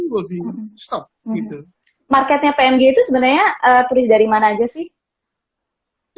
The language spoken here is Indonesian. marketnya pmg itu sebenarnya turis dari mana aja sih